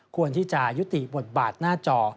ควรที่จะยุติบทบาทหน้าจอ